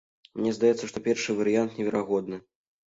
Мне здаецца, што першы варыянт неверагодны.